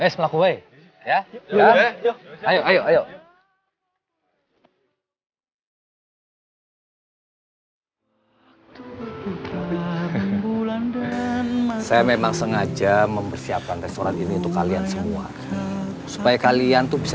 saya memang sengaja mempersiapkan restoran ini untuk kalian semua supaya kalian tuh bisa